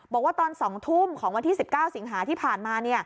บอกว่าตอน๒ทุ่มของวันที่๑๙สิงหาที่ผ่านมา